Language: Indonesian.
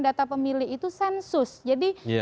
data pemilih itu sensus jadi